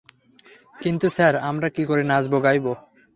কিন্তু স্যার আমরা কি করে নাচবো গাইবো?